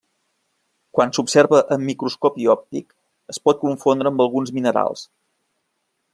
Quan s'observa amb microscopi òptic es pot confondre amb alguns minerals.